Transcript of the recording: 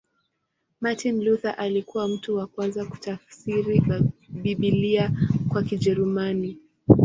Martin Luther alikuwa mtu wa kwanza kutafsiri Biblia kwa Kijerumani.